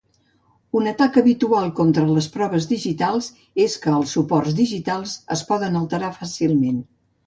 Un atac habitual contra les proves digitals és que els suports digitals es poden alterar fàcilment.